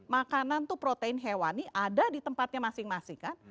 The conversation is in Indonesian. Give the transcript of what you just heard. makanan itu protein hewani ada di tempatnya masing masing kan